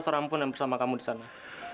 orang pun yang bersama kamu di sana